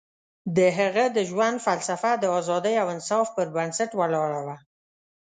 د هغه د ژوند فلسفه د ازادۍ او انصاف پر بنسټ ولاړه وه.